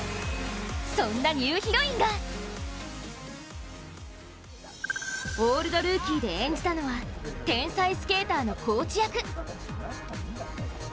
そんなニューヒロインが「オールドルーキー」で演じたのは天才スケーターのコーチ役。